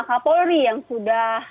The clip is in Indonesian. kapolri yang sudah